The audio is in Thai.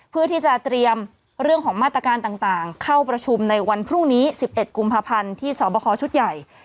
เพื่อที่จะเตรียมเรื่องของมาตรการต่างเข้าประชุมในวันพรุ่งนี้๑๑กุมภาพันธ์ที่สอบคอชุดใหญ่